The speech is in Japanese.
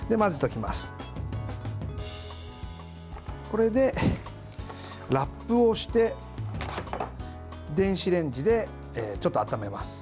これでラップをして電子レンジでちょっと温めます。